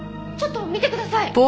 ちょっと見てください。